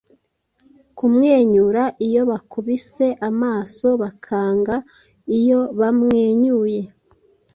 Kumwenyura iyo bakubise amaso, bakanga iyo bamwenyuye